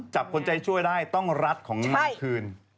จับคนใจช่วยได้ต้องรัดของนายคืน